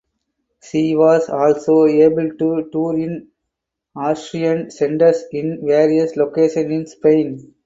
She was also able to tour in Asturian centers in various locations in Spain.